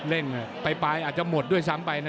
เล่นไปอาจจะหมดด้วยซ้ำไปนะ